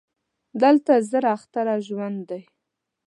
دلته زر اختره ژوند دی